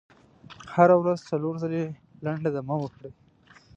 هره ورځ څلور ځلې لنډه دمه وکړئ.